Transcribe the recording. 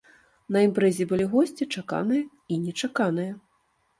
На імпрэзе былі госці чаканыя і нечаканыя.